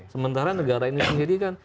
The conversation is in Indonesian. sementara negara ini sendiri kan